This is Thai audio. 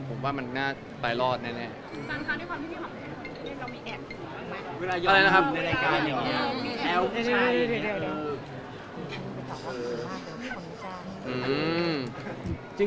ผมว่ามันน่าไปรอดแน่